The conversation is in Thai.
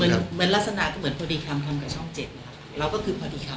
เหมือนลักษณะก็เหมือนพอดีคำทำกับช่องเจ็ดนะคะเราก็คือพอดีคำ